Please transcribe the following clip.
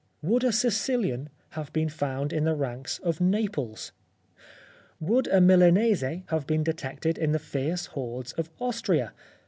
Would a Sicilian have been found in the ranks of Naples ? Would a Milanese have been de tected in the fierce hordes of Austria